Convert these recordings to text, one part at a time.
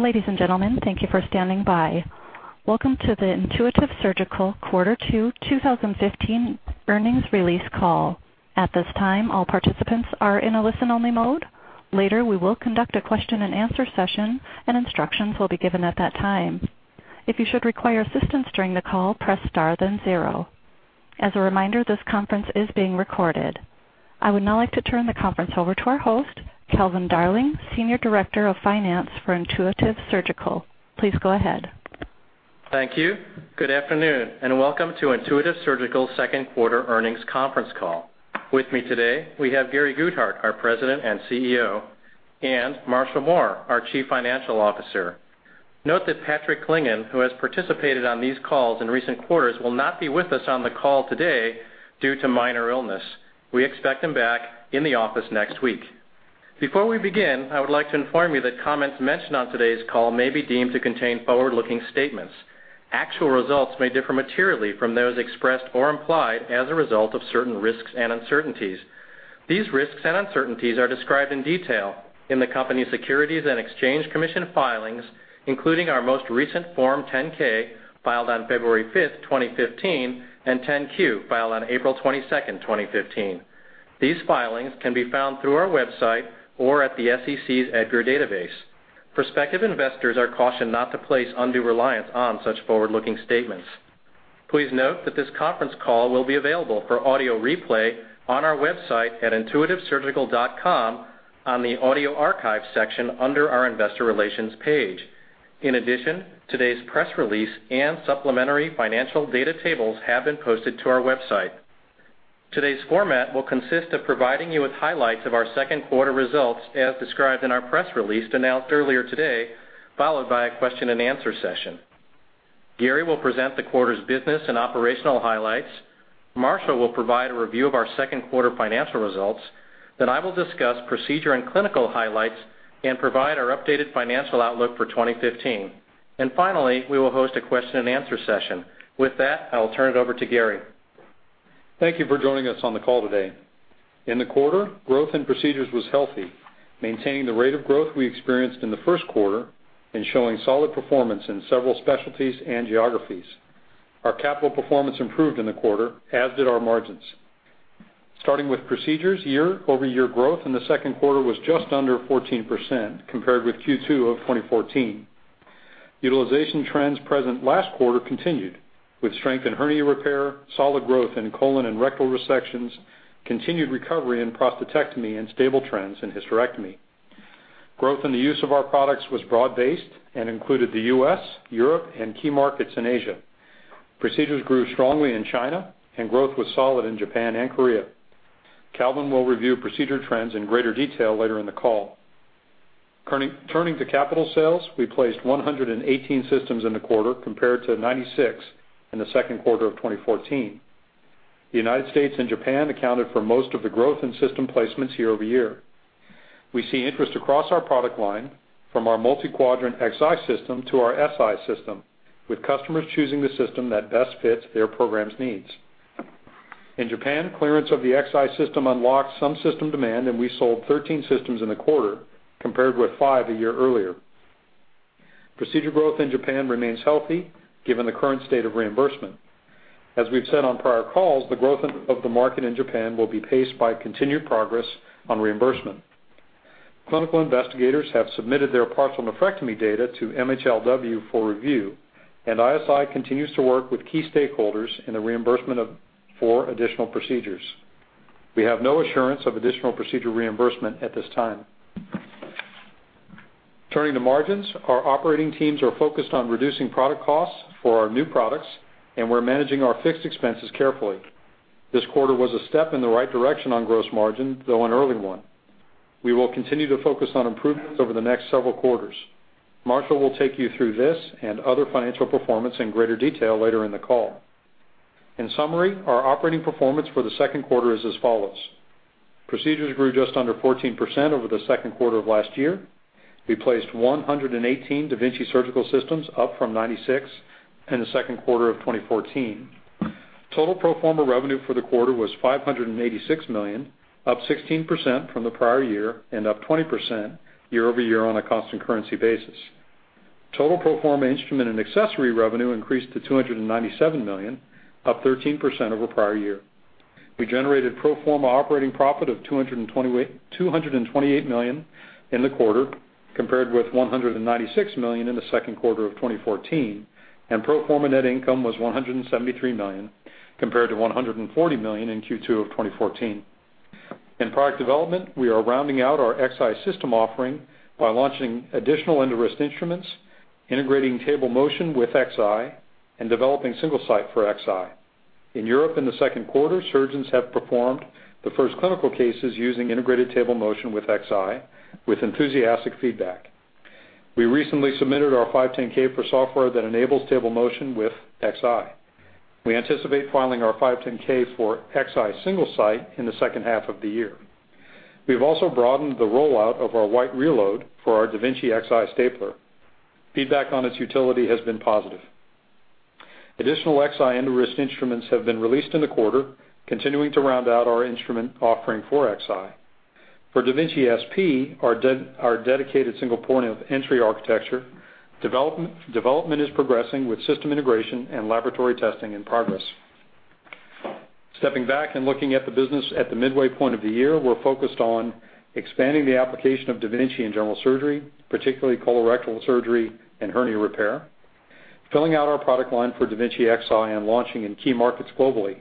Ladies and gentlemen, thank you for standing by. Welcome to the Intuitive Surgical Q2 2015 earnings release call. At this time, all participants are in a listen-only mode. Later, we will conduct a question and answer session, and instructions will be given at that time. If you should require assistance during the call, press star then 0. As a reminder, this conference is being recorded. I would now like to turn the conference over to our host, Calvin Darling, Senior Director of Finance for Intuitive Surgical. Please go ahead. Thank you. Good afternoon, and welcome to Intuitive Surgical 2Q earnings conference call. With me today, we have Gary Guthart, our President and CEO, and Marshall Mohr, our Chief Financial Officer. Note that Patrick Clingan, who has participated on these calls in recent quarters, will not be with us on the call today due to minor illness. We expect him back in the office next week. Before we begin, I would like to inform you that comments mentioned on today's call may be deemed to contain forward-looking statements. Actual results may differ materially from those expressed or implied as a result of certain risks and uncertainties. These risks and uncertainties are described in detail in the company's Securities and Exchange Commission filings, including our most recent Form 10-K, filed on February 5, 2015, and Form 10-Q, filed on April 22, 2015. These filings can be found through our website or at the SEC's EDGAR database. Prospective investors are cautioned not to place undue reliance on such forward-looking statements. Please note that this conference call will be available for audio replay on our website at intuitivesurgical.com on the audio archive section under our investor relations page. Today's press release and supplementary financial data tables have been posted to our website. Today's format will consist of providing you with highlights of our 2Q results as described in our press release announced earlier today, followed by a question and answer session. Gary will present the quarter's business and operational highlights. Marshall will provide a review of our 2Q financial results. I will discuss procedure and clinical highlights and provide our updated financial outlook for 2015. Finally, we will host a question and answer session. With that, I will turn it over to Gary. Thank you for joining us on the call today. In the quarter, growth in procedures was healthy, maintaining the rate of growth we experienced in the first quarter and showing solid performance in several specialties and geographies. Our capital performance improved in the quarter, as did our margins. Starting with procedures, year-over-year growth in the second quarter was just under 14% compared with Q2 of 2014. Utilization trends present last quarter continued, with strength in hernia repair, solid growth in colon and rectal resections, continued recovery in prostatectomy, and stable trends in hysterectomy. Growth in the use of our products was broad-based and included the U.S., Europe, and key markets in Asia. Procedures grew strongly in China and growth was solid in Japan and Korea. Calvin will review procedure trends in greater detail later in the call. Turning to capital sales, we placed 118 systems in the quarter compared to 96 in the second quarter of 2014. The United States and Japan accounted for most of the growth in system placements year over year. We see interest across our product line from our multi-quadrant Xi system to our Si system, with customers choosing the system that best fits their program's needs. In Japan, clearance of the Xi system unlocked some system demand, and we sold 13 systems in the quarter compared with 5 a year earlier. Procedure growth in Japan remains healthy given the current state of reimbursement. As we've said on prior calls, the growth of the market in Japan will be paced by continued progress on reimbursement. Clinical investigators have submitted their partial nephrectomy data to MHLW for review, and ISI continues to work with key stakeholders in the reimbursement of 4 additional procedures. We have no assurance of additional procedure reimbursement at this time. Turning to margins, our operating teams are focused on reducing product costs for our new products, and we're managing our fixed expenses carefully. This quarter was a step in the right direction on gross margin, though an early one. We will continue to focus on improvements over the next several quarters. Marshall will take you through this and other financial performance in greater detail later in the call. In summary, our operating performance for the second quarter is as follows: procedures grew just under 14% over the second quarter of last year. We placed 118 da Vinci Surgical Systems, up from 96 in the second quarter of 2014. Total pro forma revenue for the quarter was $586 million, up 16% from the prior year and up 20% year over year on a constant currency basis. Total pro forma instrument and accessory revenue increased to $297 million, up 13% over prior year. We generated pro forma operating profit of $228 million in the quarter, compared with $196 million in the second quarter of 2014, and pro forma net income was $173 million, compared to $140 million in Q2 of 2014. In product development, we are rounding out our Xi system offering by launching additional EndoWrist instruments, integrating table motion with Xi, and developing Single-Site for Xi. In Europe in the second quarter, surgeons have performed the first clinical cases using integrated table motion with Xi with enthusiastic feedback. We recently submitted our 510(k) for software that enables table motion with Xi. We anticipate filing our 510(k) for Xi Single-Site in the second half of the year. We've also broadened the rollout of our white reload for our da Vinci Xi stapler. Feedback on its utility has been positive. Additional Xi endoscopic instruments have been released in the quarter, continuing to round out our instrument offering for Xi. For da Vinci SP, our dedicated single point of entry architecture, development is progressing with system integration and laboratory testing in progress. Stepping back, looking at the business at the midway point of the year, we're focused on expanding the application of da Vinci in general surgery, particularly colorectal surgery and hernia repair, filling out our product line for da Vinci Xi, launching in key markets globally,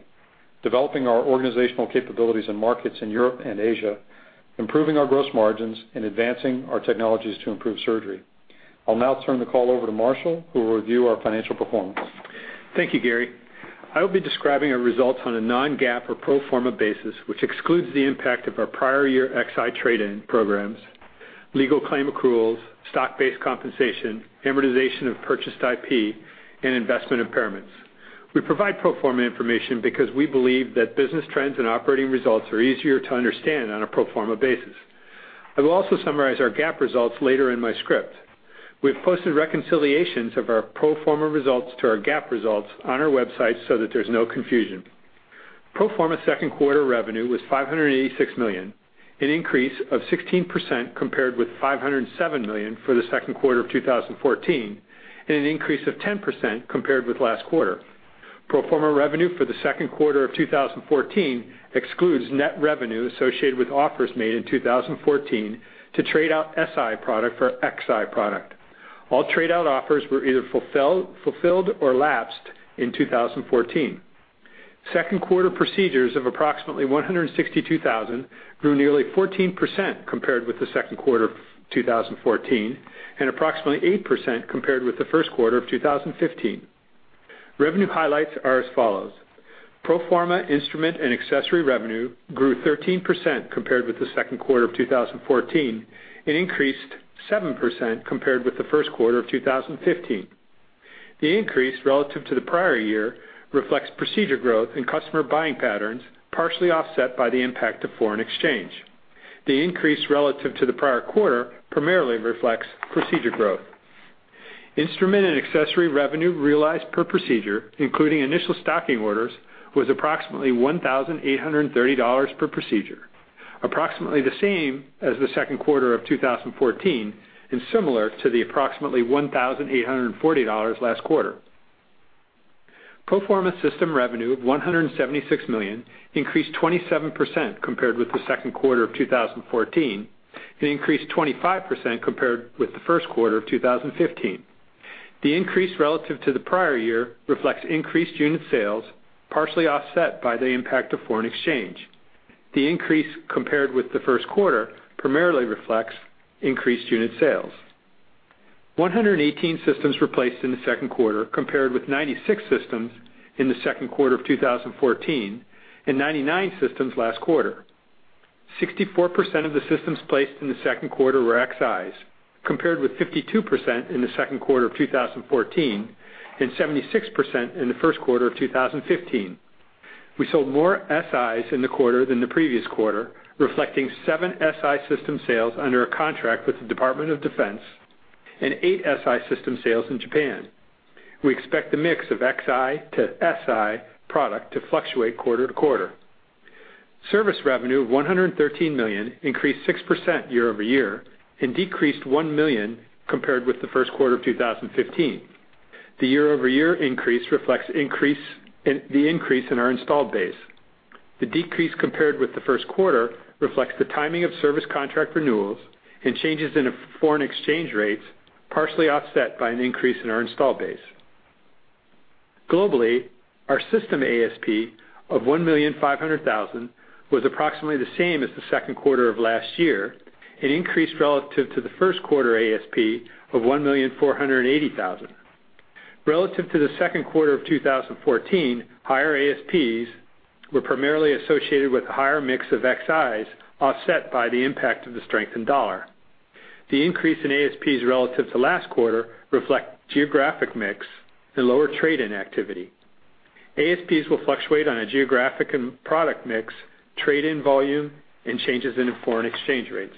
developing our organizational capabilities in markets in Europe and Asia, improving our gross margins, advancing our technologies to improve surgery. I'll now turn the call over to Marshall, who will review our financial performance. Thank you, Gary. I will be describing our results on a non-GAAP or pro forma basis, which excludes the impact of our prior year Xi trade-in programs, legal claim accruals, stock-based compensation, amortization of purchased IP, and investment impairments. We provide pro forma information because we believe that business trends and operating results are easier to understand on a pro forma basis. I will also summarize our GAAP results later in my script. We've posted reconciliations of our pro forma results to our GAAP results on our website so that there's no confusion. Pro forma second quarter revenue was $586 million, an increase of 16% compared with $507 million for the second quarter of 2014, an increase of 10% compared with last quarter. Pro forma revenue for the second quarter of 2014 excludes net revenue associated with offers made in 2014 to trade out Si product for Xi product. All trade-out offers were either fulfilled or lapsed in 2014. Second quarter procedures of approximately 162,000 grew nearly 14% compared with the second quarter of 2014, approximately 8% compared with the first quarter of 2015. Revenue highlights are as follows. Pro forma instrument and accessory revenue grew 13% compared with the second quarter of 2014, increased 7% compared with the first quarter of 2015. The increase relative to the prior year reflects procedure growth and customer buying patterns, partially offset by the impact of foreign exchange. The increase relative to the prior quarter primarily reflects procedure growth. Instrument and accessory revenue realized per procedure, including initial stocking orders, was approximately $1,830 per procedure, approximately the same as the second quarter of 2014, and similar to the approximately $1,840 last quarter. Pro forma system revenue of $176 million increased 27% compared with the second quarter of 2014 and increased 25% compared with the first quarter of 2015. The increase relative to the prior year reflects increased unit sales, partially offset by the impact of foreign exchange. The increase compared with the first quarter primarily reflects increased unit sales. 118 systems were placed in the second quarter compared with 96 systems in the second quarter of 2014 and 99 systems last quarter. 64% of the systems placed in the second quarter were Xis, compared with 52% in the second quarter of 2014 and 76% in the first quarter of 2015. We sold more Sis in the quarter than the previous quarter, reflecting seven Si system sales under a contract with the Department of Defense and eight Si system sales in Japan. We expect the mix of Xi to Si product to fluctuate quarter-to-quarter. Service revenue of $113 million increased 6% year-over-year and decreased $1 million compared with the first quarter of 2015. The year-over-year increase reflects the increase in our installed base. The decrease compared with the first quarter reflects the timing of service contract renewals and changes in foreign exchange rates, partially offset by an increase in our installed base. Globally, our system ASP of $1,500,000 was approximately the same as the second quarter of last year and increased relative to the first quarter ASP of $1,480,000. Relative to the second quarter of 2014, higher ASPs were primarily associated with a higher mix of Xis, offset by the impact of the strengthened dollar. The increase in ASPs relative to last quarter reflect geographic mix and lower trade-in activity. ASPs will fluctuate on a geographic and product mix, trade-in volume, and changes in foreign exchange rates.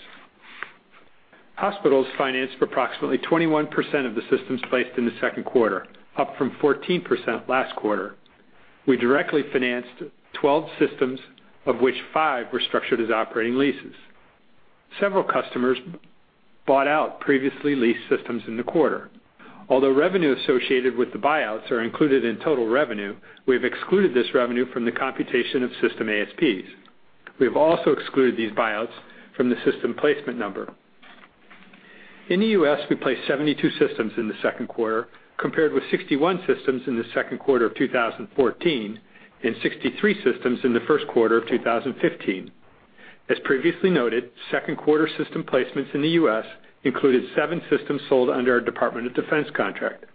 Hospitals financed approximately 21% of the systems placed in the second quarter, up from 14% last quarter. We directly financed 12 systems, of which five were structured as operating leases. Several customers bought out previously leased systems in the quarter. Although revenue associated with the buyouts are included in total revenue, we have excluded this revenue from the computation of system ASPs. We have also excluded these buyouts from the system placement number. In the U.S., we placed 72 systems in the second quarter compared with 61 systems in the second quarter of 2014 and 63 systems in the first quarter of 2015. As previously noted, second quarter system placements in the U.S. included seven systems sold under our Department of Defense contract.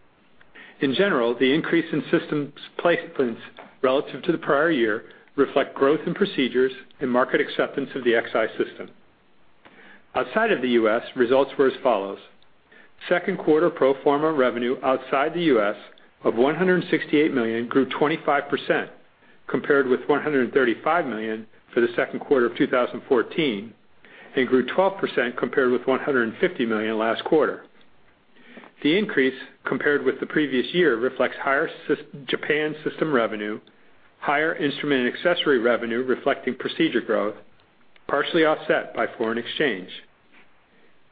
In general, the increase in systems placements relative to the prior year reflect growth in procedures and market acceptance of the Xi system. Outside of the U.S., results were as follows. Second quarter pro forma revenue outside the U.S. of $168 million grew 25% compared with $135 million for the second quarter of 2014 and grew 12% compared with $150 million last quarter. The increase compared with the previous year reflects higher Japan system revenue, higher instrument and accessory revenue reflecting procedure growth, partially offset by foreign exchange.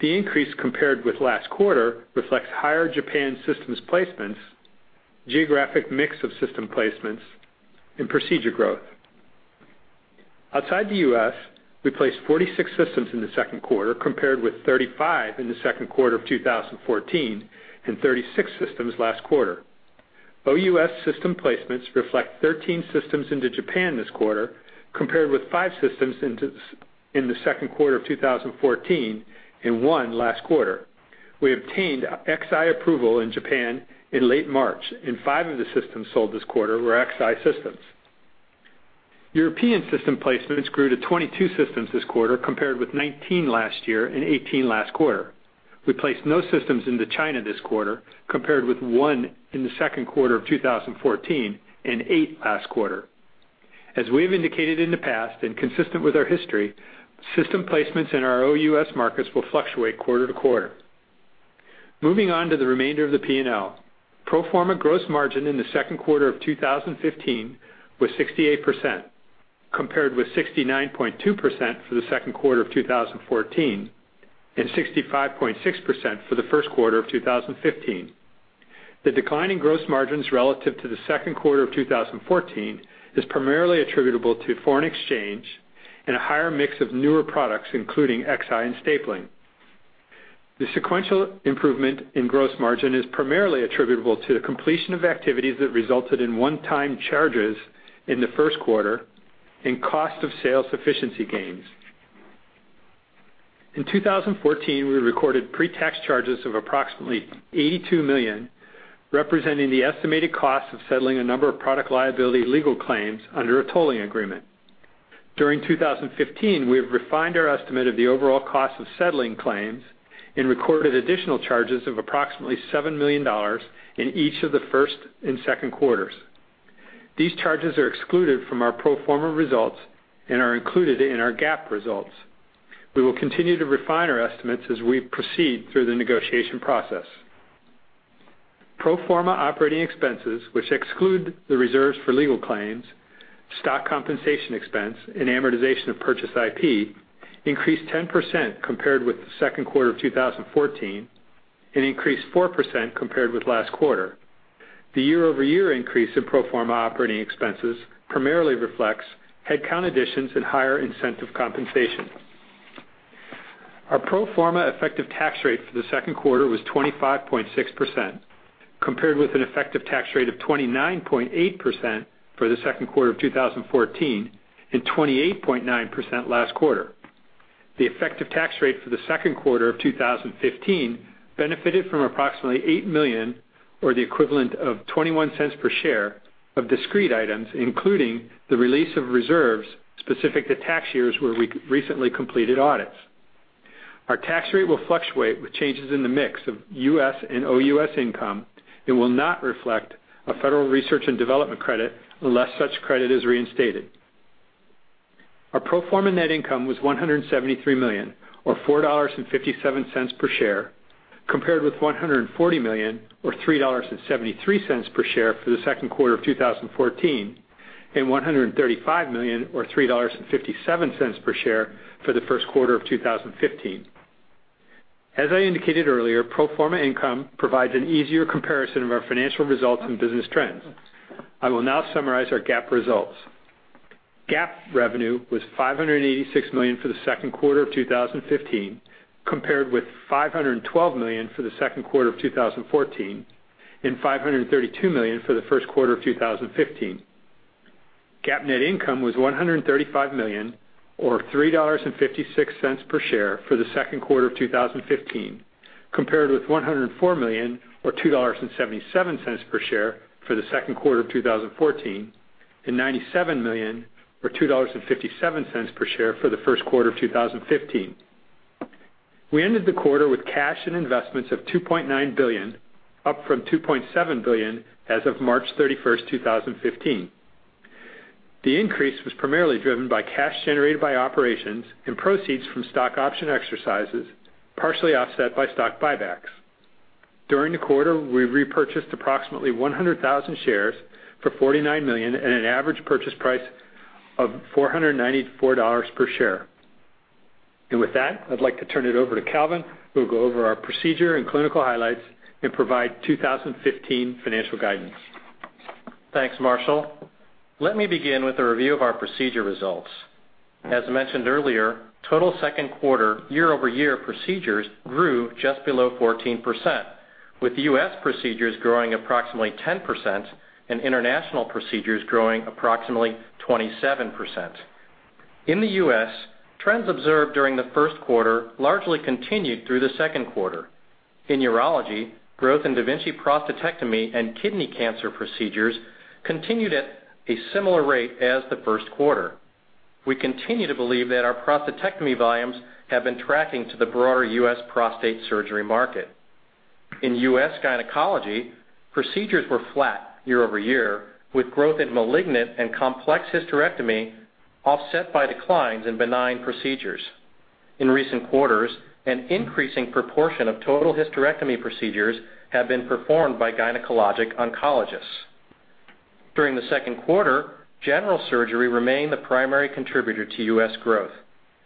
The increase compared with last quarter reflects higher Japan systems placements, geographic mix of system placements and procedure growth. Outside the U.S., we placed 46 systems in the second quarter, compared with 35 in the second quarter of 2014 and 36 systems last quarter. OUS system placements reflect 13 systems into Japan this quarter, compared with five systems in the second quarter of 2014 and one last quarter. We obtained Xi approval in Japan in late March, and five of the systems sold this quarter were Xi systems. European system placements grew to 22 systems this quarter, compared with 19 last year and 18 last quarter. We placed no systems into China this quarter, compared with one in the second quarter of 2014 and eight last quarter. As we have indicated in the past and consistent with our history, system placements in our OUS markets will fluctuate quarter-to-quarter. Moving on to the remainder of the P&L. Pro forma gross margin in the second quarter of 2015 was 68%, compared with 69.2% for the second quarter of 2014 and 65.6% for the first quarter of 2015. The decline in gross margins relative to the second quarter of 2014 is primarily attributable to foreign exchange and a higher mix of newer products, including Xi and stapling. The sequential improvement in gross margin is primarily attributable to the completion of activities that resulted in one-time charges in the first quarter and cost of sales efficiency gains. In 2014, we recorded pre-tax charges of approximately $82 million, representing the estimated cost of settling a number of product liability legal claims under a tolling agreement. During 2015, we have refined our estimate of the overall cost of settling claims and recorded additional charges of approximately $7 million in each of the first and second quarters. These charges are excluded from our pro forma results and are included in our GAAP results. We will continue to refine our estimates as we proceed through the negotiation process. Pro forma operating expenses, which exclude the reserves for legal claims, stock compensation expense and amortization of purchased IP, increased 10% compared with the second quarter of 2014 and increased 4% compared with last quarter. The year-over-year increase in pro forma operating expenses primarily reflects headcount additions and higher incentive compensation. Our pro forma effective tax rate for the second quarter was 25.6%, compared with an effective tax rate of 29.8% for the second quarter of 2014 and 28.9% last quarter. The effective tax rate for the second quarter of 2015 benefited from approximately $8 million, or the equivalent of $0.21 per share of discrete items, including the release of reserves specific to tax years where we recently completed audits. Our tax rate will fluctuate with changes in the mix of U.S. and OUS income and will not reflect a federal research and development credit unless such credit is reinstated. Our pro forma net income was $173 million or $4.57 per share, compared with $140 million or $3.73 per share for the second quarter of 2014 and $135 million or $3.57 per share for the first quarter of 2015. As I indicated earlier, pro forma income provides an easier comparison of our financial results and business trends. I will now summarize our GAAP results. GAAP revenue was $586 million for the second quarter of 2015, compared with $512 million for the second quarter of 2014 and $332 million for the first quarter of 2015. GAAP net income was $135 million or $3.56 per share for the second quarter of 2015, compared with $104 million or $2.77 per share for the second quarter of 2014 and $97 million or $2.57 per share for the first quarter of 2015. We ended the quarter with cash and investments of $2.9 billion, up from $2.7 billion as of March 31, 2015. The increase was primarily driven by cash generated by operations and proceeds from stock option exercises, partially offset by stock buybacks. During the quarter, we repurchased approximately 100,000 shares for $49 million at an average purchase price of $494 per share. With that, I'd like to turn it over to Calvin, who will go over our procedure and clinical highlights and provide 2015 financial guidance. Thanks, Marshall. Let me begin with a review of our procedure results. As mentioned earlier, total second quarter year-over-year procedures grew just below 14%, with U.S. procedures growing approximately 10% and international procedures growing approximately 27%. In the U.S., trends observed during the first quarter largely continued through the second quarter. In urology, growth in da Vinci prostatectomy and kidney cancer procedures continued at a similar rate as the first quarter. We continue to believe that our prostatectomy volumes have been tracking to the broader U.S. prostate surgery market. In U.S. gynecology, procedures were flat year-over-year, with growth in malignant and complex hysterectomy offset by declines in benign procedures. In recent quarters, an increasing proportion of total hysterectomy procedures have been performed by gynecologic oncologists. During the second quarter, general surgery remained the primary contributor to U.S. growth,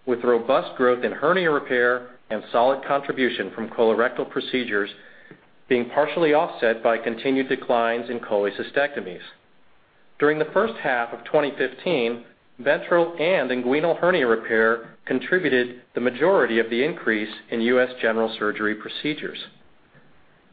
with robust growth in hernia repair and solid contribution from colorectal procedures being partially offset by continued declines in cholecystectomies. During the first half of 2015, ventral and inguinal hernia repair contributed the majority of the increase in U.S. general surgery procedures.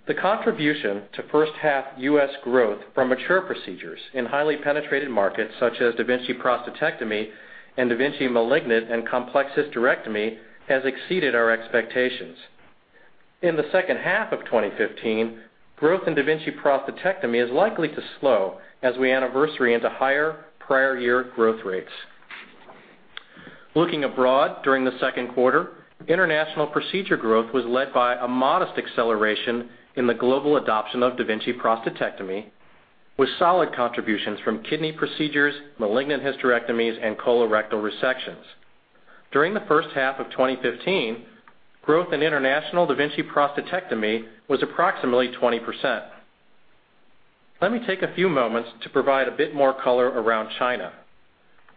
The contribution to first half U.S. growth from mature procedures in highly penetrated markets such as da Vinci prostatectomy and da Vinci malignant and complex hysterectomy has exceeded our expectations. In the second half of 2015, growth in da Vinci prostatectomy is likely to slow as we anniversary into higher prior year growth rates. Looking abroad, during the second quarter, international procedure growth was led by a modest acceleration in the global adoption of da Vinci prostatectomy, with solid contributions from kidney procedures, malignant hysterectomies, and colorectal resections. During the first half of 2015, growth in international da Vinci prostatectomy was approximately 20%. Let me take a few moments to provide a bit more color around China.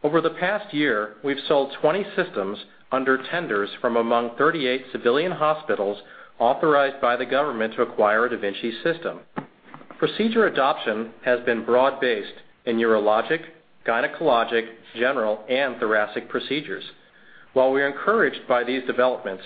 Over the past year, we've sold 20 systems under tenders from among 38 civilian hospitals authorized by the government to acquire a da Vinci system. Procedure adoption has been broad-based in urologic, gynecologic, general, and thoracic procedures. While we are encouraged by these developments,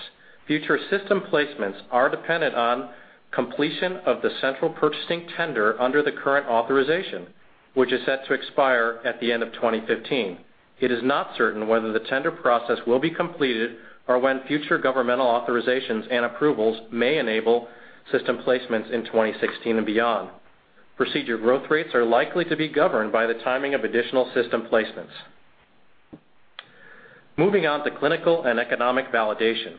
future system placements are dependent on completion of the central purchasing tender under the current authorization, which is set to expire at the end of 2015. It is not certain whether the tender process will be completed or when future governmental authorizations and approvals may enable system placements in 2016 and beyond. Procedure growth rates are likely to be governed by the timing of additional system placements. Moving on to clinical and economic validation.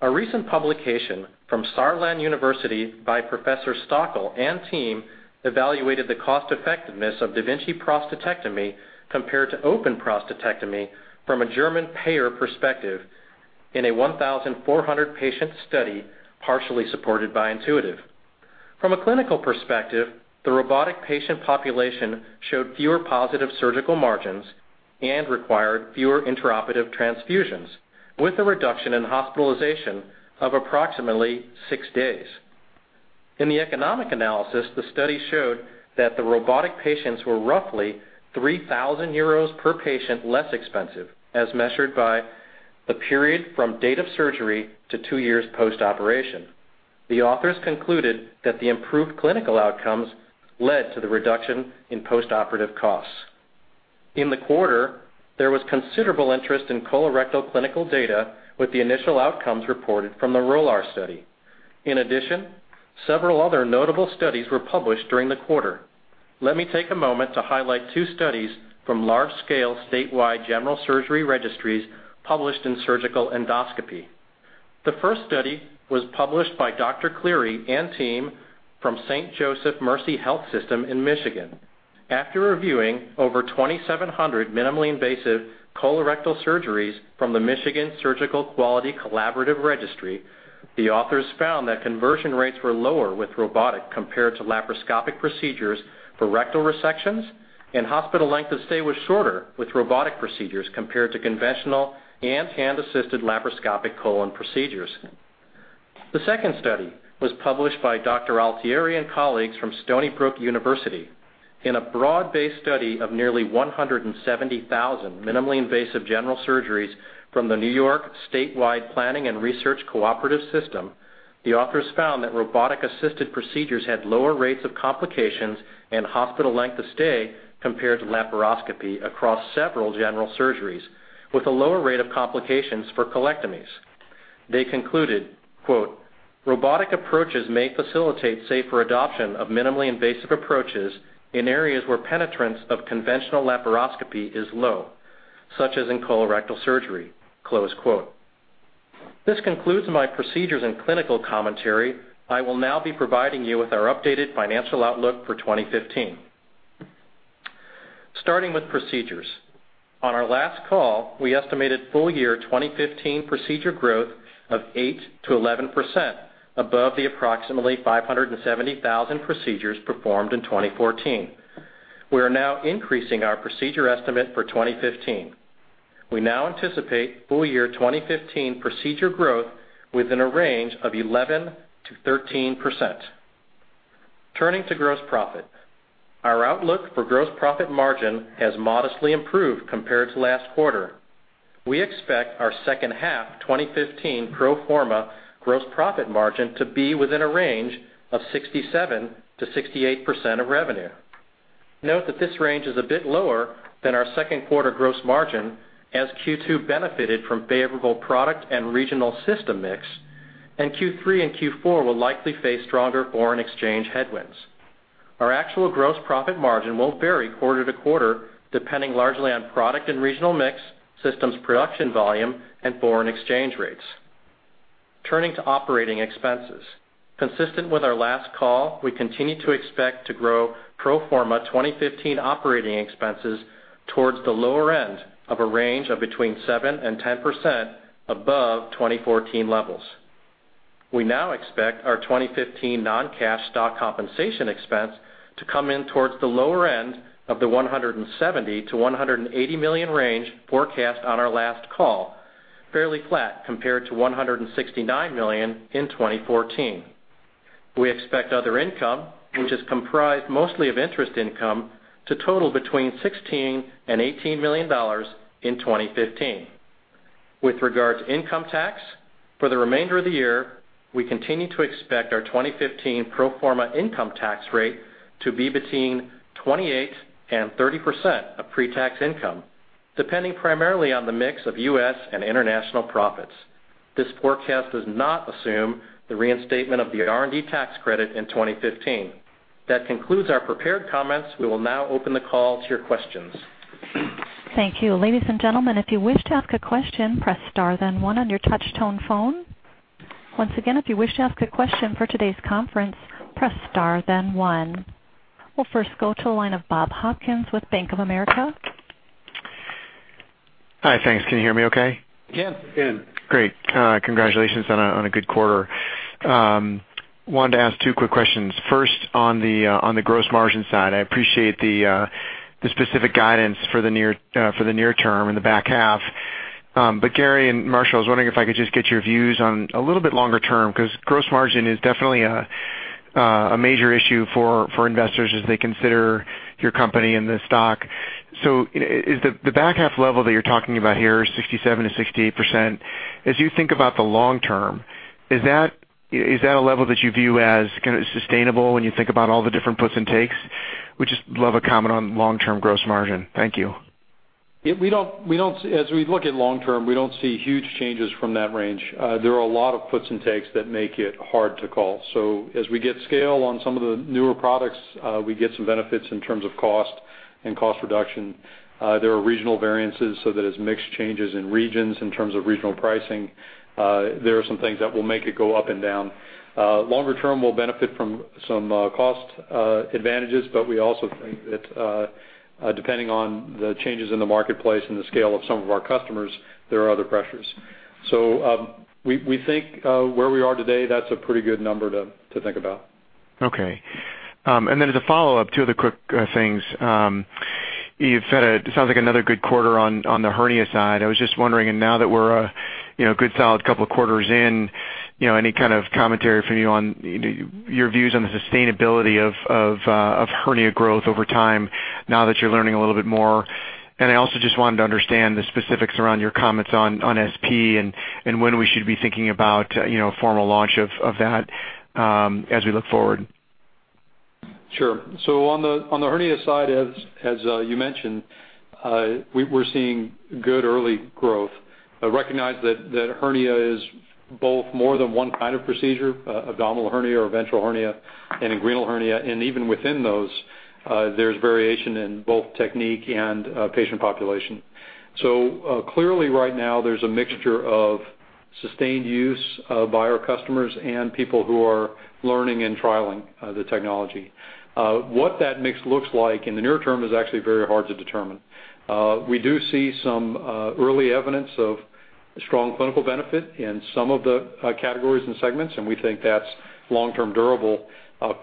A recent publication from Saarland University by Professor Stöckle and team evaluated the cost-effectiveness of da Vinci prostatectomy compared to open prostatectomy from a German payer perspective in a 1,400-patient study partially supported by Intuitive. From a clinical perspective, the robotic patient population showed fewer positive surgical margins and required fewer intraoperative transfusions, with a reduction in hospitalization of approximately six days. In the economic analysis, the study showed that the robotic patients were roughly 3,000 euros per patient less expensive as measured by the period from date of surgery to two years post-operation. The authors concluded that the improved clinical outcomes led to the reduction in post-operative costs. In the quarter, there was considerable interest in colorectal clinical data with the initial outcomes reported from the ROLARR study. Several other notable studies were published during the quarter. Let me take a moment to highlight two studies from large-scale statewide general surgery registries published in Surgical Endoscopy. The first study was published by Dr. Cleary and team from St. Joseph Mercy Health System in Michigan. After reviewing over 2,700 minimally invasive colorectal surgeries from the Michigan Surgical Quality Collaborative Registry, the authors found that conversion rates were lower with robotic compared to laparoscopic procedures for rectal resections, and hospital length of stay was shorter with robotic procedures compared to conventional and hand-assisted laparoscopic colon procedures. The second study was published by Dr. Altieri and colleagues from Stony Brook University. In a broad-based study of nearly 170,000 minimally invasive general surgeries from the New York Statewide Planning and Research Cooperative System, the authors found that robotic-assisted procedures had lower rates of complications and hospital length of stay compared to laparoscopy across several general surgeries, with a lower rate of complications for colectomies. They concluded, quote, "Robotic approaches may facilitate safer adoption of minimally invasive approaches in areas where penetrance of conventional laparoscopy is low, such as in colorectal surgery." Close quote. This concludes my procedures and clinical commentary. I will now be providing you with our updated financial outlook for 2015. Starting with procedures. On our last call, we estimated full-year 2015 procedure growth of 8%-11% above the approximately 570,000 procedures performed in 2014. We are now increasing our procedure estimate for 2015. We now anticipate full-year 2015 procedure growth within a range of 11%-13%. Turning to gross profit. Our outlook for gross profit margin has modestly improved compared to last quarter. We expect our second half 2015 pro forma gross profit margin to be within a range of 67%-68% of revenue. Note that this range is a bit lower than our second quarter gross margin, as Q2 benefited from favorable product and regional system mix, and Q3 and Q4 will likely face stronger foreign exchange headwinds. Our actual gross profit margin will vary quarter to quarter, depending largely on product and regional mix, systems production volume, and foreign exchange rates. Turning to operating expenses. Consistent with our last call, we continue to expect to grow pro forma 2015 operating expenses towards the lower end of a range of between 7% and 10% above 2014 levels. We now expect our 2015 non-cash stock compensation expense to come in towards the lower end of the $170 million to $180 million range forecast on our last call, fairly flat compared to $169 million in 2014. We expect other income, which is comprised mostly of interest income, to total between $16 million and $18 million in 2015. With regard to income tax, for the remainder of the year, we continue to expect our 2015 pro forma income tax rate to be between 28% and 30% of pre-tax income, depending primarily on the mix of U.S. and international profits. This forecast does not assume the reinstatement of the R&D tax credit in 2015. That concludes our prepared comments. We will now open the call to your questions. Thank you. Ladies and gentlemen, if you wish to ask a question, press star then one on your touch-tone phone. Once again, if you wish to ask a question for today's conference, press star then one. We'll first go to the line of Bob Hopkins with Bank of America. Hi, thanks. Can you hear me okay? We can. Great. Congratulations on a good quarter. Wanted to ask two quick questions. First, on the gross margin side, I appreciate the specific guidance for the near term in the back half. Gary and Marshall, I was wondering if I could just get your views on a little bit longer-term, because gross margin is definitely a major issue for investors as they consider your company and the stock. Is the back half level that you're talking about here, 67%-68%, as you think about the long-term, is that a level that you view as kind of sustainable when you think about all the different puts and takes? Would just love a comment on long-term gross margin. Thank you. As we look at long-term, we don't see huge changes from that range. There are a lot of puts and takes that make it hard to call. As we get scale on some of the newer products, we get some benefits in terms of cost and cost reduction. There are regional variances, that as mix changes in regions in terms of regional pricing, there are some things that will make it go up and down. Longer-term, we'll benefit from some cost advantages, we also think that depending on the changes in the marketplace and the scale of some of our customers, there are other pressures. We think where we are today, that's a pretty good number to think about. Okay. As a follow-up, two other quick things. You've said it sounds like another good quarter on the hernia side. I was just wondering, now that we're a good solid couple of quarters in, any kind of commentary from you on your views on the sustainability of hernia growth over time now that you're learning a little bit more? I also just wanted to understand the specifics around your comments on SP and when we should be thinking about formal launch of that as we look forward. Sure. On the hernia side, as you mentioned, we're seeing good early growth. Recognize that hernia is both more than one kind of procedure, abdominal hernia or ventral hernia and inguinal hernia. Even within those, there's variation in both technique and patient population. Clearly right now, there's a mixture of sustained use by our customers and people who are learning and trialing the technology. What that mix looks like in the near term is actually very hard to determine. We do see some early evidence of strong clinical benefit in some of the categories and segments, and we think that's long-term durable.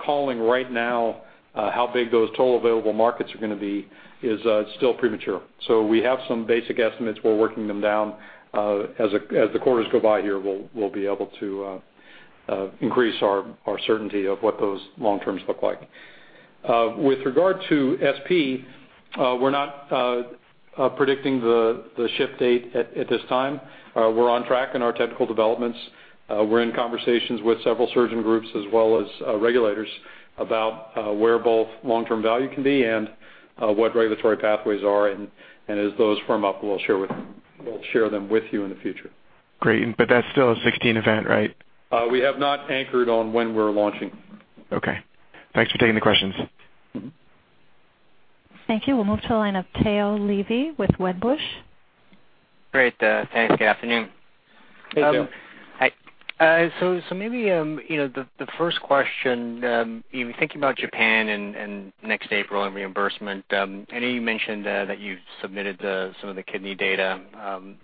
Calling right now how big those total available markets are going to be is still premature. We have some basic estimates. We're working them down. As the quarters go by here, we'll be able to increase our certainty of what those long terms look like. With regard to SP, we're not predicting the ship date at this time. We're on track in our technical developments. We're in conversations with several surgeon groups as well as regulators about where both long-term value can be and what regulatory pathways are. As those firm up, we'll share them with you in the future. Great. That's still a 2016 event, right? We have not anchored on when we're launching. Okay. Thanks for taking the questions. Thank you. We'll move to the line of Tao Levy with Wedbush. Great. Thanks. Good afternoon. Hey, Tao. Hi. Maybe the first question, you were thinking about Japan and next April and reimbursement. I know you mentioned that you submitted some of the kidney data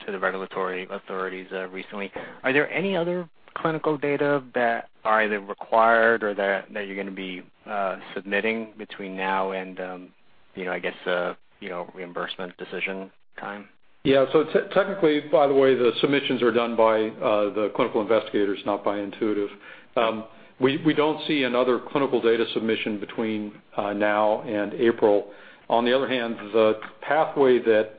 to the regulatory authorities recently. Are there any other clinical data that are either required or that you're going to be submitting between now and, I guess, reimbursement decision time? Yeah. Technically, by the way, the submissions are done by the clinical investigators, not by Intuitive. We don't see another clinical data submission between now and April. On the other hand, the pathway that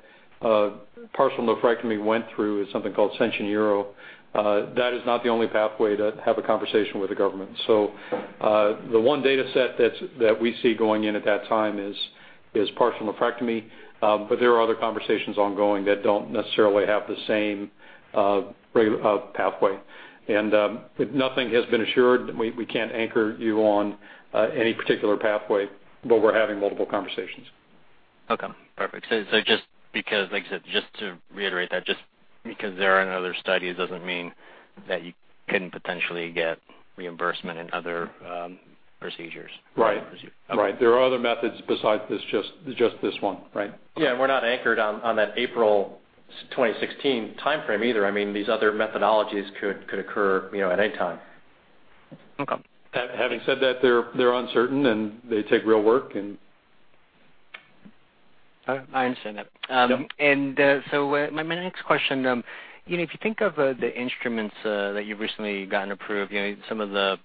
partial nephrectomy went through is something called Centruio Euro. That is not the only pathway to have a conversation with the government. The one data set that we see going in at that time is partial nephrectomy, but there are other conversations ongoing that don't necessarily have the same pathway. Nothing has been assured. We can't anchor you on any particular pathway, but we're having multiple conversations. Okay, perfect. Just to reiterate that, just because there aren't other studies doesn't mean that you couldn't potentially get reimbursement in other procedures. Right. There are other methods besides just this one. Right? Yeah, we're not anchored on that April 2016 timeframe either. These other methodologies could occur at any time. Okay. Having said that, they're uncertain, they take real work. I understand that. Yep. My next question, if you think of the instruments that you've recently gotten approved, some of the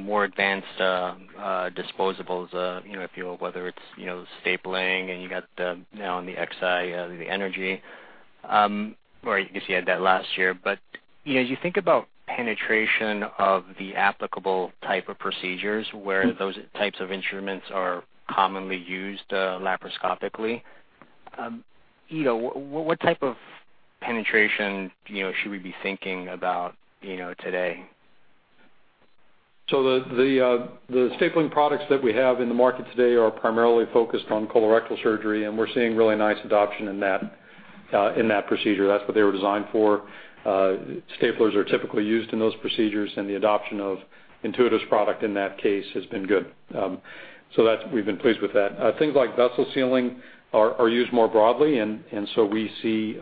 more advanced disposables, whether it's stapling and you got now on the Xi, the energy, or I guess you had that last year. But as you think about penetration of the applicable type of procedures where those types of instruments are commonly used laparoscopically, what type of penetration should we be thinking about today? The stapling products that we have in the market today are primarily focused on colorectal surgery, and we're seeing really nice adoption in that procedure. That's what they were designed for. Staplers are typically used in those procedures, and the adoption of Intuitive's product in that case has been good. We've been pleased with that. Things like vessel sealing are used more broadly, and we see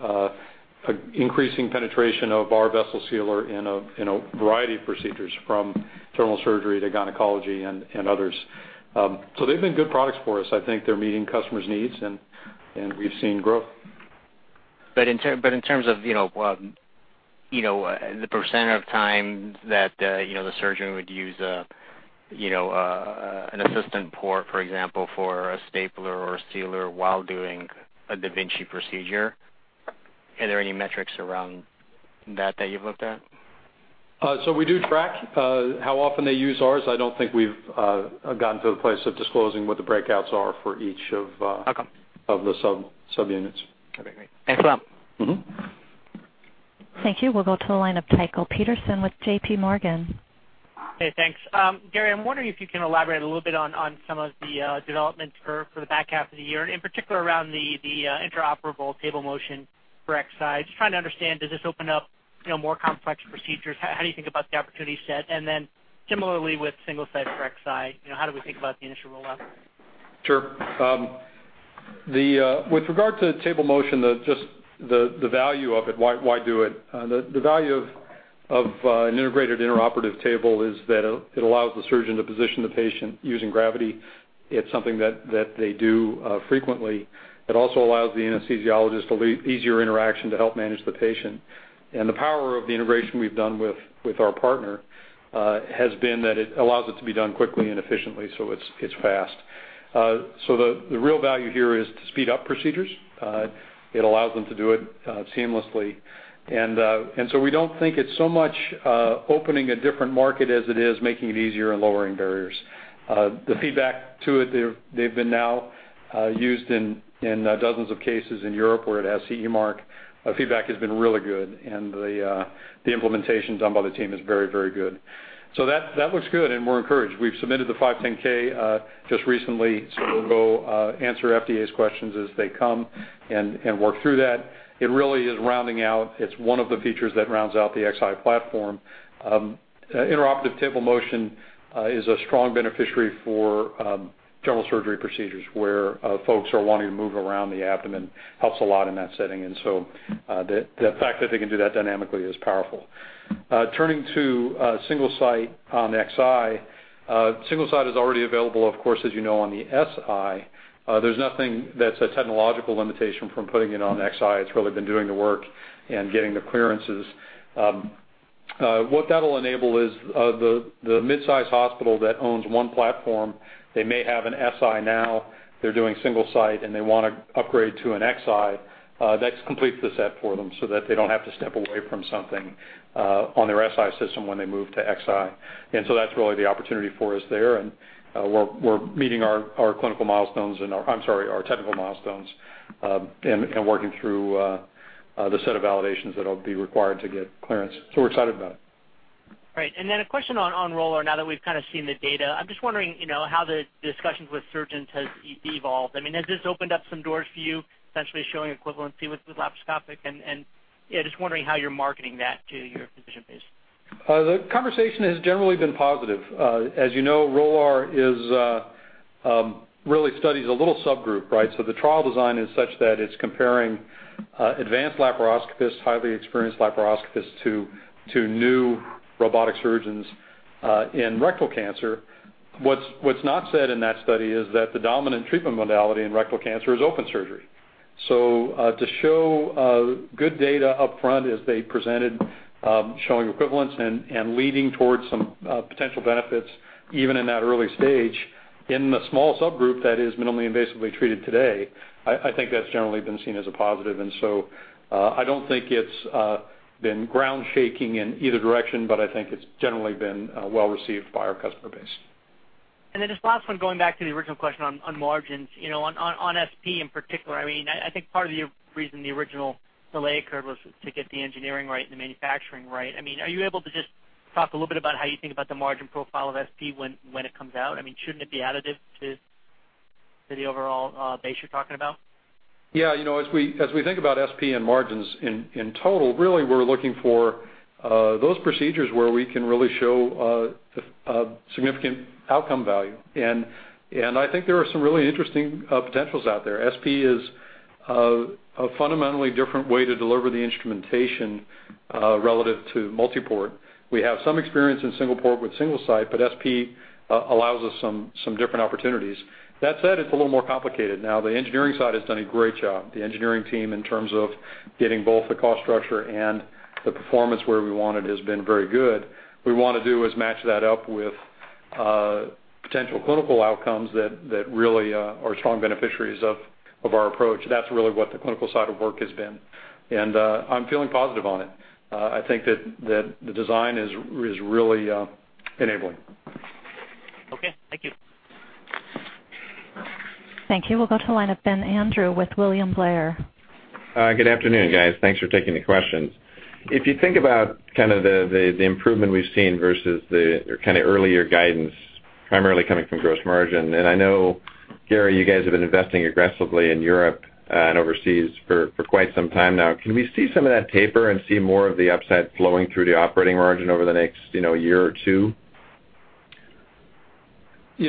increasing penetration of our Vessel Sealer in a variety of procedures from terminal surgery to gynecology and others. They've been good products for us. I think they're meeting customers' needs, and we've seen growth. In terms of the % of time that the surgeon would use an assistant port, for example, for a stapler or a sealer while doing a da Vinci procedure, are there any metrics around that that you've looked at? We do track how often they use ours. I don't think we've gotten to the place of disclosing what the breakouts are for each of- Okay the subunits. Okay, great. Thanks a lot. Thank you. We'll go to the line of Tycho Peterson with J.P. Morgan. Hey, thanks. Gary, I'm wondering if you can elaborate a little bit on some of the development for the back half of the year, in particular around the interoperable table motion for Xi. Just trying to understand, does this open up more complex procedures? How do you think about the opportunity set? Similarly with Single-Site for Xi, how do we think about the initial rollout? Sure. With regard to table motion, just the value of it, why do it? The value of an integrated interoperable table is that it allows the surgeon to position the patient using gravity. It's something that they do frequently. It also allows the anesthesiologist easier interaction to help manage the patient. The power of the integration we've done with our partner has been that it allows it to be done quickly and efficiently, so it's fast. The real value here is to speed up procedures. It allows them to do it seamlessly. We don't think it's so much opening a different market as it is making it easier and lowering barriers. The feedback to it, they've been now used in dozens of cases in Europe where it has CE mark. Feedback has been really good, and the implementation done by the team is very good. That looks good. We're encouraged. We've submitted the 510(k) just recently. We'll go answer FDA's questions as they come and work through that. It really is rounding out. It's one of the features that rounds out the da Vinci Xi platform. Intraoperative table motion is a strong beneficiary for general surgery procedures where folks are wanting to move around the abdomen. Helps a lot in that setting. The fact that they can do that dynamically is powerful. Turning to Single-Site on da Vinci Xi. Single-Site is already available, of course, as you know, on the da Vinci Si. There's nothing that's a technological limitation from putting it on da Vinci Xi. It's really been doing the work and getting the clearances. What that'll enable is the midsize hospital that owns one platform, they may have a da Vinci Si now. They're doing Single-Site, and they want to upgrade to a da Vinci Xi. That completes the set for them. They don't have to step away from something on their da Vinci Si system when they move to da Vinci Xi. That's really the opportunity for us there. We're meeting our clinical milestones, our technical milestones, and working through the set of validations that'll be required to get clearance. We're excited about it. Great. A question on ROLARR now that we've kind of seen the data. I'm just wondering how the discussions with surgeons has evolved. Has this opened up some doors for you, essentially showing equivalency with laparoscopic? Just wondering how you're marketing that to your physician base. The conversation has generally been positive. As you know, ROLARR really studies a little subgroup, right? The trial design is such that it's comparing advanced laparoscopists, highly experienced laparoscopists to new robotic surgeons in rectal cancer. What's not said in that study is that the dominant treatment modality in rectal cancer is open surgery. To show good data up front as they presented, showing equivalence and leading towards some potential benefits even in that early stage in the small subgroup that is minimally invasively treated today, I think that's generally been seen as a positive. I don't think it's been ground shaking in either direction, but I think it's generally been well received by our customer base. Just last one, going back to the original question on margins. On SP in particular, I think part of the reason the original delay occurred was to get the engineering right and the manufacturing right. Are you able to talk a little bit about how you think about the margin profile of SP when it comes out. Shouldn't it be additive to the overall base you're talking about? As we think about SP and margins in total, really, we're looking for those procedures where we can really show a significant outcome value. I think there are some really interesting potentials out there. SP is a fundamentally different way to deliver the instrumentation relative to multi-port. We have some experience in single port with Single-Site, but SP allows us some different opportunities. That said, it's a little more complicated. The engineering side has done a great job. The engineering team, in terms of getting both the cost structure and the performance where we want it, has been very good. What we want to do is match that up with potential clinical outcomes that really are strong beneficiaries of our approach. That's really what the clinical side of work has been. I'm feeling positive on it. I think that the design is really enabling. Okay. Thank you. Thank you. We'll go to the line of Ben Andrew with William Blair. Good afternoon, guys. Thanks for taking the questions. If you think about the improvement we've seen versus the earlier guidance, primarily coming from gross margin, I know, Gary Guthart, you guys have been investing aggressively in Europe and overseas for quite some time now. Can we see some of that taper and see more of the upside flowing through the operating margin over the next year or two?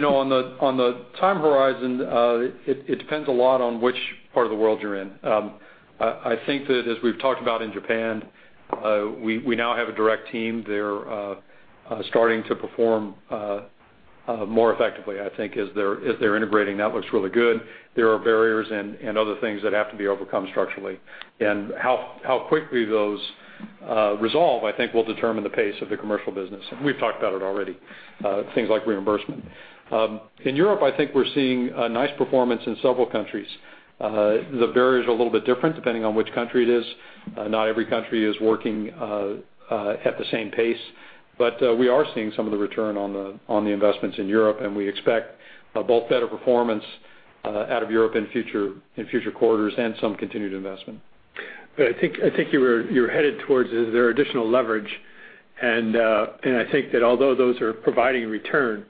On the time horizon, it depends a lot on which part of the world you're in. I think that as we've talked about in Japan, we now have a direct team there starting to perform more effectively, I think, as they're integrating. That looks really good. There are barriers and other things that have to be overcome structurally. How quickly those resolve, I think, will determine the pace of the commercial business. We've talked about it already, things like reimbursement. In Europe, I think we're seeing a nice performance in several countries. The barriers are a little bit different depending on which country it is. Not every country is working at the same pace, we are seeing some of the return on the investments in Europe, and we expect both better performance out of Europe in future quarters and some continued investment. I think you were headed towards is there additional leverage, I think that although those are providing return,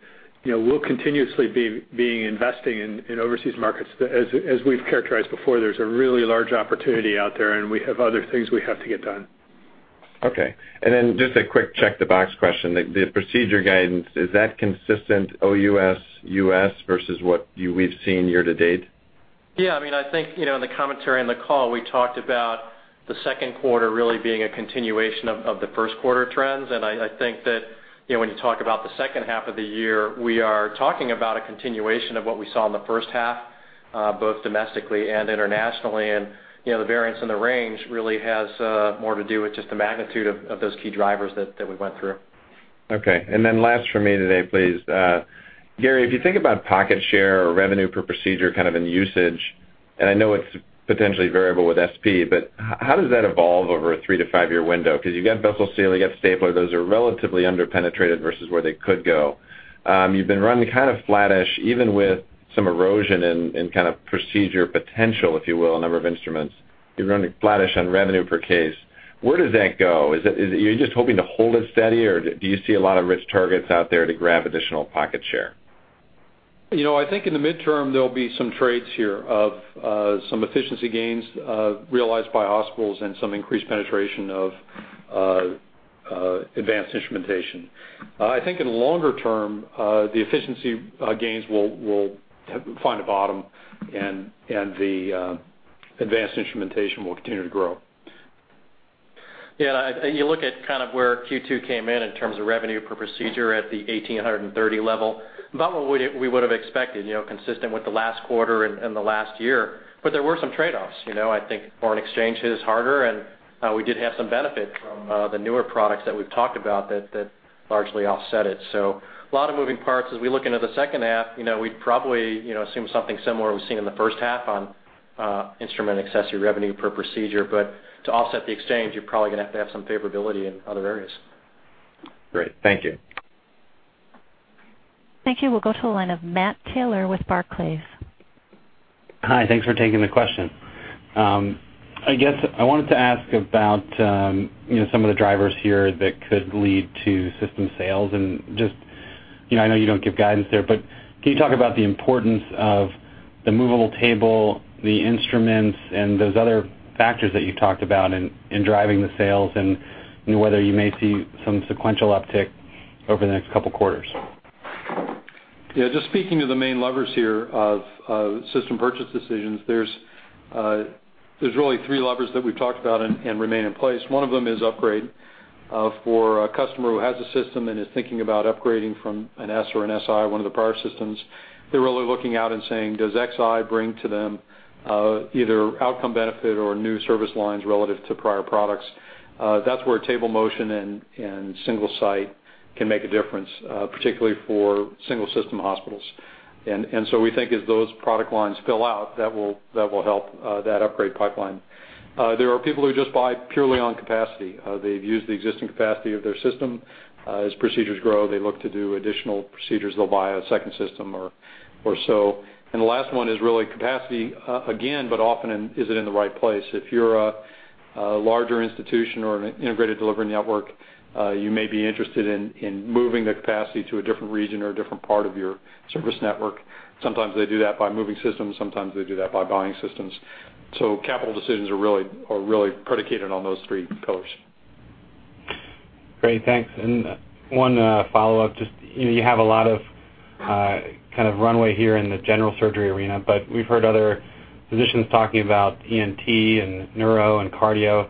we'll continuously be investing in overseas markets. As we've characterized before, there's a really large opportunity out there, and we have other things we have to get done. Okay. Then just a quick check-the-box question. The procedure guidance, is that consistent OUS, U.S. versus what we've seen year to date? Yeah. I think in the commentary on the call, we talked about the second quarter really being a continuation of the first quarter trends. I think that when you talk about the second half of the year, we are talking about a continuation of what we saw in the first half both domestically and internationally. The variance in the range really has more to do with just the magnitude of those key drivers that we went through. Okay. Last for me today, please. Gary, if you think about pocket share or revenue per procedure kind of in usage, I know it's potentially variable with SP, but how does that evolve over a three to five-year window? Because you've got Vessel Sealer, you've got stapler, those are relatively under-penetrated versus where they could go. You've been running kind of flattish, even with some erosion in procedure potential, if you will, number of instruments. You're running flattish on revenue per case. Where does that go? Are you just hoping to hold it steady, or do you see a lot of rich targets out there to grab additional pocket share? I think in the midterm, there'll be some trades here of some efficiency gains realized by hospitals and some increased penetration of advanced instrumentation. I think in the longer term, the efficiency gains will find a bottom and the advanced instrumentation will continue to grow. Yeah. You look at where Q2 came in terms of revenue per procedure at the $1,830 level, about what we would've expected, consistent with the last quarter and the last year. There were some trade-offs. I think foreign exchange is harder, and we did have some benefit from the newer products that we've talked about that largely offset it. A lot of moving parts. As we look into the second half, we'd probably assume something similar we've seen in the first half on instrument accessory revenue per procedure. To offset the exchange, you're probably going to have to have some favorability in other areas. Great. Thank you. Thank you. We'll go to the line of Matthew Taylor with Barclays. Hi. Thanks for taking the question. I guess I wanted to ask about some of the drivers here that could lead to system sales. I know you don't give guidance there, but can you talk about the importance of the movable table, the instruments, and those other factors that you talked about in driving the sales and whether you may see some sequential uptick over the next couple of quarters? Yeah. Just speaking to the main levers here of system purchase decisions, there's really three levers that we've talked about and remain in place. One of them is upgrade. For a customer who has a system and is thinking about upgrading from an S or an da Vinci Si, one of the prior systems, they're really looking out and saying, does da Vinci Xi bring to them either outcome benefit or new service lines relative to prior products? That's where table motion and Single-Site can make a difference, particularly for single system hospitals. So we think as those product lines fill out, that will help that upgrade pipeline. There are people who just buy purely on capacity. They've used the existing capacity of their system. As procedures grow, they look to do additional procedures, they'll buy a second system or so. The last one is really capacity again, but often is it in the right place? If you're a larger institution or an integrated delivery network, you may be interested in moving the capacity to a different region or a different part of your service network. Sometimes they do that by moving systems, sometimes they do that by buying systems. Capital decisions are really predicated on those three pillars. Great. Thanks. One follow-up. You have a lot of kind of runway here in the general surgery arena, but we've heard other physicians talking about ENT and neuro and cardio.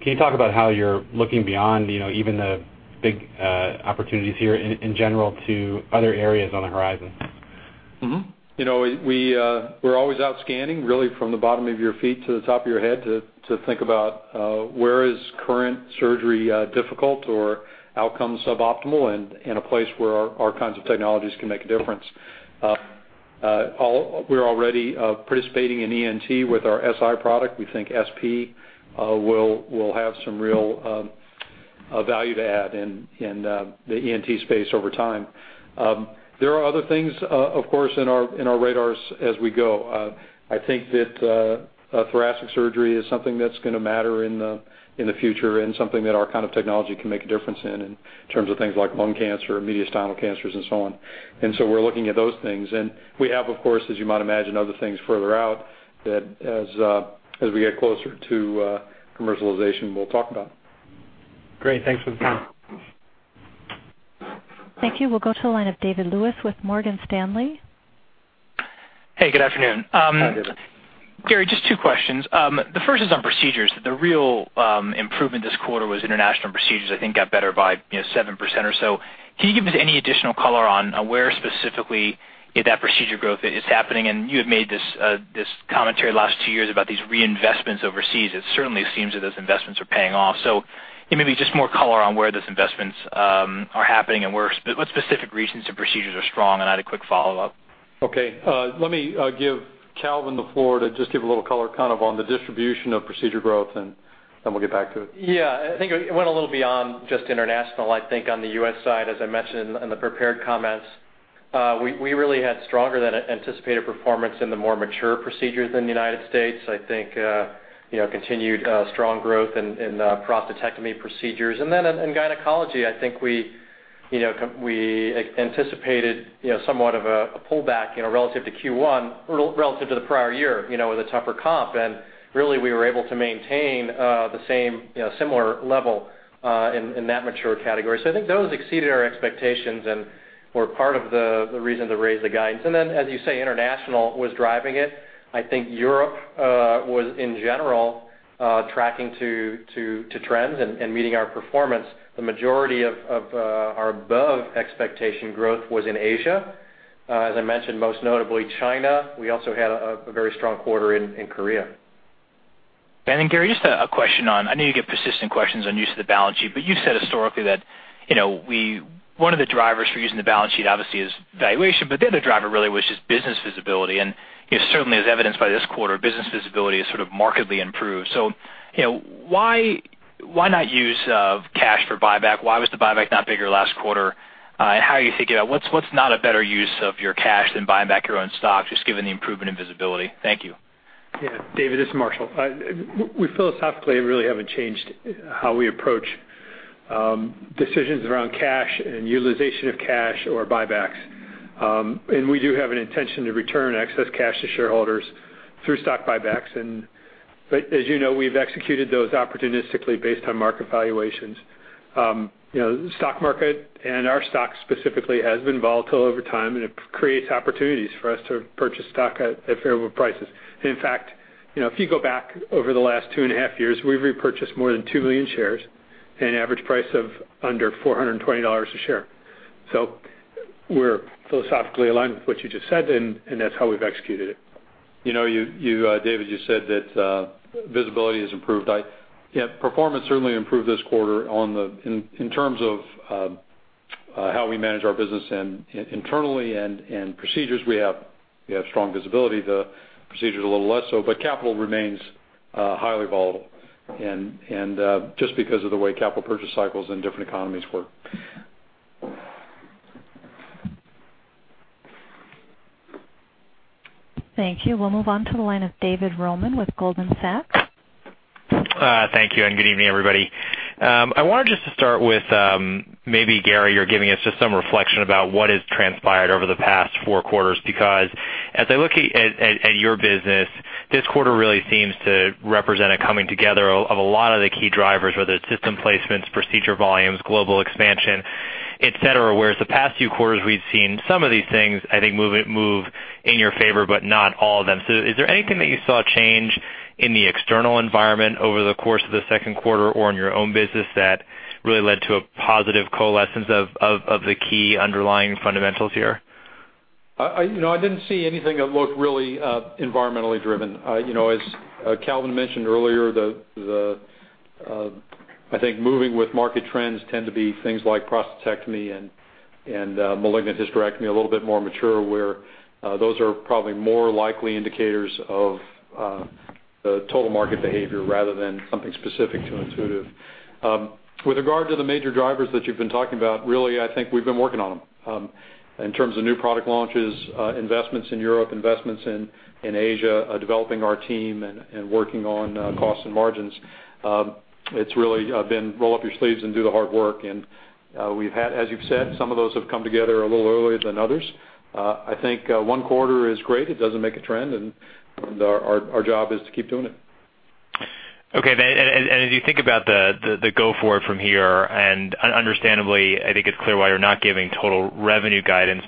Can you talk about how you're looking beyond, even the big opportunities here in general to other areas on the horizon? We're always out scanning really from the bottom of your feet to the top of your head, to think about where is current surgery difficult or outcomes suboptimal, and a place where our kinds of technologies can make a difference. We're already participating in ENT with our SI product. We think SP will have some real value to add in the ENT space over time. There are other things, of course, in our radars as we go. I think that thoracic surgery is something that's going to matter in the future and something that our kind of technology can make a difference in terms of things like lung cancer, mediastinal cancers and so on. We're looking at those things. We have, of course, as you might imagine, other things further out that as we get closer to commercialization, we'll talk about. Great. Thanks for the time. Thank you. We'll go to the line of David Lewis with Morgan Stanley. Hey, good afternoon. Hi, David. Gary, just two questions. The first is on procedures. The real improvement this quarter was international procedures, I think got better by 7% or so. Can you give us any additional color on where specifically that procedure growth is happening? You have made this commentary the last two years about these reinvestments overseas. It certainly seems that those investments are paying off. Maybe just more color on where those investments are happening and what specific regions the procedures are strong, and I had a quick follow-up. Okay. Let me give Calvin the floor to just give a little color kind of on the distribution of procedure growth, and then we'll get back to it. Yeah. I think it went a little beyond just international, I think, on the U.S. side, as I mentioned in the prepared comments. We really had stronger than anticipated performance in the more mature procedures in the United States. I think, continued strong growth in prostatectomy procedures. In gynecology, I think we anticipated somewhat of a pullback relative to Q1, relative to the prior year, with a tougher comp. Really, we were able to maintain the same similar level in that mature category. I think those exceeded our expectations and were part of the reason to raise the guidance. As you say, international was driving it. I think Europe was, in general, tracking to trends and meeting our performance. The majority of our above-expectation growth was in Asia. As I mentioned, most notably China. We also had a very strong quarter in Korea. Gary, just a question on, I know you get persistent questions on use of the balance sheet, you said historically that one of the drivers for using the balance sheet obviously is valuation, the other driver really was just business visibility. Certainly as evidenced by this quarter, business visibility is sort of markedly improved. Why not use cash for buyback? Why was the buyback not bigger last quarter? How are you thinking about what's not a better use of your cash than buying back your own stock, just given the improvement in visibility? Thank you. Yeah. David, this is Marshall. We philosophically really haven't changed how we approach decisions around cash and utilization of cash or buybacks. We do have an intention to return excess cash to shareholders through stock buybacks. As you know, we've executed those opportunistically based on market valuations. The stock market and our stock specifically, has been volatile over time, and it creates opportunities for us to purchase stock at favorable prices. In fact, if you go back over the last two and a half years, we've repurchased more than 2 million shares at an average price of under $420 a share. We're philosophically aligned with what you just said, and that's how we've executed it. David, you said that visibility has improved. Performance certainly improved this quarter in terms of how we manage our business internally and procedures, we have strong visibility, the procedure's a little less so, but capital remains highly volatile. Just because of the way capital purchase cycles in different economies work. Thank you. We'll move on to the line of David Roman with Goldman Sachs. Thank you, and good evening, everybody. I wanted just to start with maybe Gary or giving us just some reflection about what has transpired over the past 4 quarters, because as I look at your business this quarter really seems to represent a coming together of a lot of the key drivers, whether it's system placements, procedure volumes, global expansion, et cetera. Whereas the past few quarters we've seen some of these things, I think move in your favor, but not all of them. Is there anything that you saw change in the external environment over the course of the second quarter or in your own business that really led to a positive coalescence of the key underlying fundamentals here? I didn't see anything that looked really environmentally driven. As Calvin mentioned earlier, I think moving with market trends tend to be things like prostatectomy and malignant hysterectomy, a little bit more mature, where those are probably more likely indicators of the total market behavior rather than something specific to Intuitive. With regard to the major drivers that you've been talking about, really, I think we've been working on them. In terms of new product launches, investments in Europe, investments in Asia, developing our team and working on cost and margins. It's really been roll up your sleeves and do the hard work. As you've said, some of those have come together a little earlier than others. I think one quarter is great. It doesn't make a trend, and our job is to keep doing it. Okay. As you think about the go forward from here, understandably, I think it's clear why you're not giving total revenue guidance.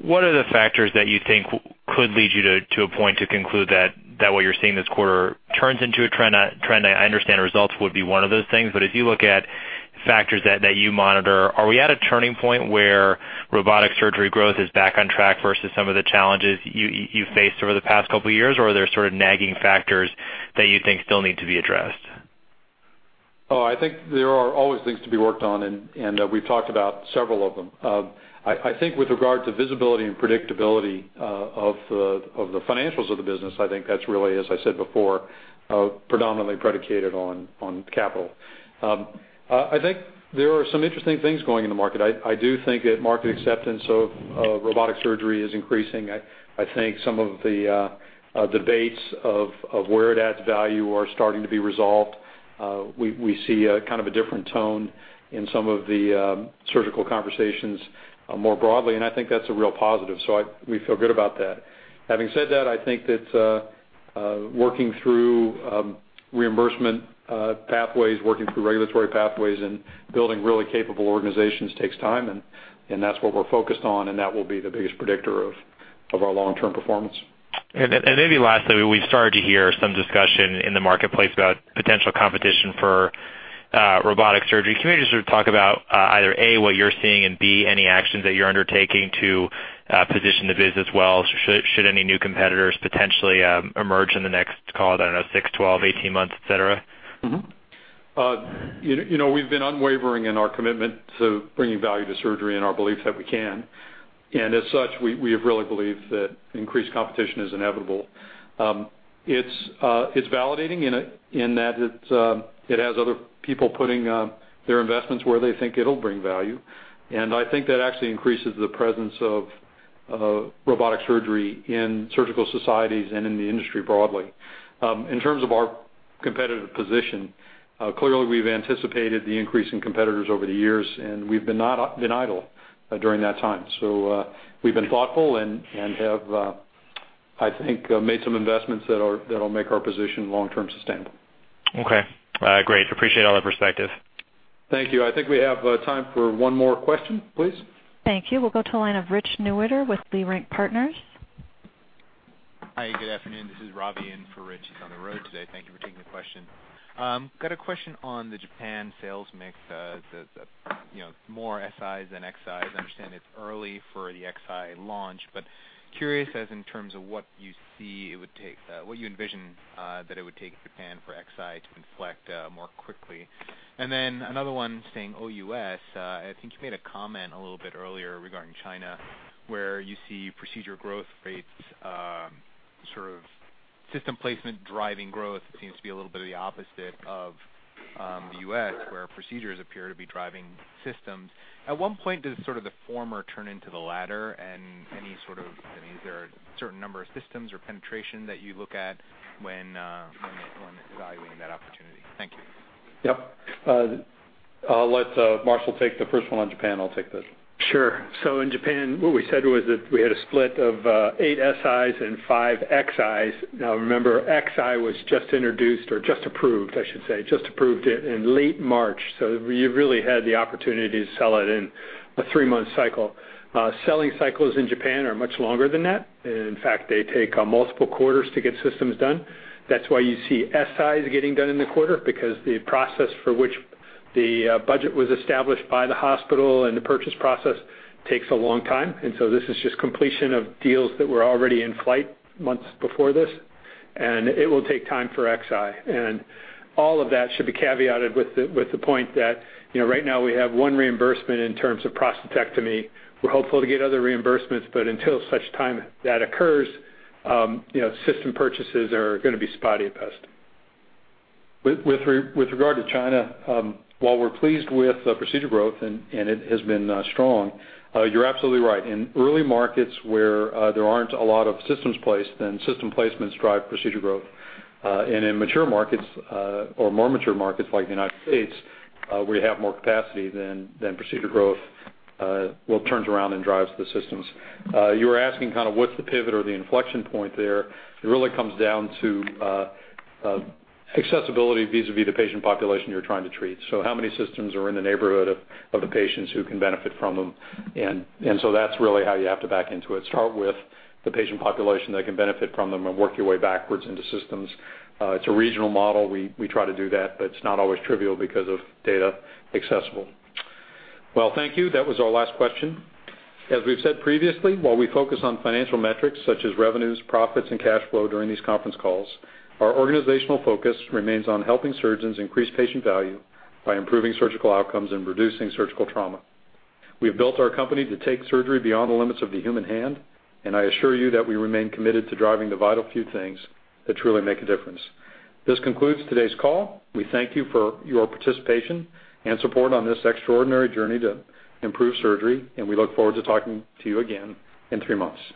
What are the factors that you think could lead you to a point to conclude that what you're seeing this quarter turns into a trend? I understand results would be one of those things. If you look at factors that you monitor, are we at a turning point where robotic surgery growth is back on track versus some of the challenges you faced over the past couple of years, or are there sort of nagging factors that you think still need to be addressed? I think there are always things to be worked on. We've talked about several of them. I think with regard to visibility and predictability of the financials of the business, I think that's really, as I said before, predominantly predicated on capital. I think there are some interesting things going in the market. I do think that market acceptance of robotic surgery is increasing. I think some of the debates of where it adds value are starting to be resolved. We see a kind of a different tone in some of the surgical conversations more broadly. I think that's a real positive. We feel good about that. Having said that, I think that working through reimbursement pathways, working through regulatory pathways, and building really capable organizations takes time. That's what we're focused on. That will be the biggest predictor of our long-term performance. Maybe lastly, we've started to hear some discussion in the marketplace about potential competition for robotic surgery. Can you just talk about either, A, what you're seeing, B, any actions that you're undertaking to position the business well should any new competitors potentially emerge in the next call, I don't know, 6, 12, 18 months, et cetera? We've been unwavering in our commitment to bringing value to surgery and our belief that we can. As such, we have really believed that increased competition is inevitable. It's validating in that it has other people putting their investments where they think it'll bring value. I think that actually increases the presence of robotic surgery in surgical societies and in the industry broadly. In terms of our competitive position, clearly we've anticipated the increase in competitors over the years. We've been not been idle during that time. We've been thoughtful and have, I think, made some investments that'll make our position long-term sustainable. Okay. Great. Appreciate all the perspective. Thank you. I think we have time for one more question. Please. Thank you. We'll go to the line of Rich Newitter with Leerink Partners. Hi, good afternoon. This is Ravi in for Rich. He's on the road today. Thank you for taking the question. Got a question on the Japan sales mix, the more SIs than XIs. I understand it's early for the Xi launch, but curious as in terms of what you see it would take, what you envision that it would take Japan for Xi to inflect more quickly. Another one staying OUS. I think you made a comment a little bit earlier regarding China, where you see procedure growth rates, sort of system placement driving growth seems to be a little bit of the opposite of the U.S., where procedures appear to be driving systems. At what point does sort of the former turn into the latter, I mean, is there a certain number of systems or penetration that you look at when evaluating that opportunity? Thank you. Yep. I'll let Marshall take the first one on Japan, I'll take the other. Sure. In Japan, what we said was that we had a split of 8 SIs and 5 XIs. Now remember, XI was just introduced or just approved, I should say, just approved in late March, so you really had the opportunity to sell it in a three-month cycle. Selling cycles in Japan are much longer than that. In fact, they take multiple quarters to get systems done. That's why you see SIs getting done in the quarter because the process for which the budget was established by the hospital and the purchase process takes a long time. This is just completion of deals that were already in flight months before this, and it will take time for XI. All of that should be caveated with the point that right now we have one reimbursement in terms of prostatectomy. We're hopeful to get other reimbursements, until such time that occurs, system purchases are going to be spotty at best. With regard to China, while we're pleased with procedure growth, it has been strong, you're absolutely right. In early markets where there aren't a lot of systems placed, then system placements drive procedure growth. In mature markets, or more mature markets like the United States, where you have more capacity, then procedure growth turns around and drives the systems. You were asking kind of what's the pivot or the inflection point there. It really comes down to accessibility vis-à-vis the patient population you're trying to treat. How many systems are in the neighborhood of the patients who can benefit from them? That's really how you have to back into it. Start with the patient population that can benefit from them and work your way backwards into systems. It's a regional model. We try to do that, but it's not always trivial because of data accessible. Well, thank you. That was our last question. As we've said previously, while we focus on financial metrics such as revenues, profits, and cash flow during these conference calls, our organizational focus remains on helping surgeons increase patient value by improving surgical outcomes and reducing surgical trauma. We have built our company to take surgery beyond the limits of the human hand, I assure you that we remain committed to driving the vital few things that truly make a difference. This concludes today's call. We thank you for your participation and support on this extraordinary journey to improve surgery, we look forward to talking to you again in three months.